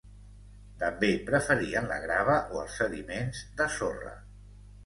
També preferien la grava o els sediments de sorra.